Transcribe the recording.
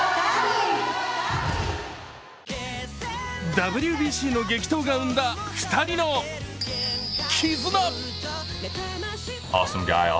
ＷＢＣの激闘が生んだ２人の絆。